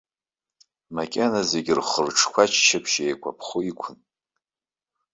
Макьана зегьы рхырҿқәа аччаԥшь еикәаԥхо иқәын.